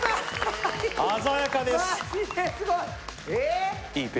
鮮やかです。